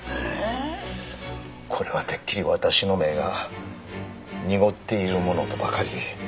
これはてっきり私の目が濁っているものとばかり。